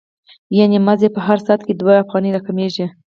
یانې مزد یې په هر ساعت کې دوه افغانۍ را کمېږي